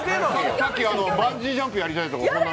さっきバンジージャンプやりたいって。